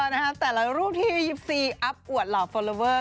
เออนะครับแต่ละรูปที่ยิปซีอัพอวดเหล่าฟอร์ลัวเวอร์